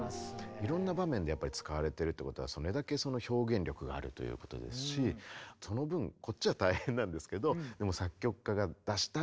いろんな場面でやっぱり使われてるってことはそれだけ表現力があるということですしその分こっちは大変なんですけど日々ああでもない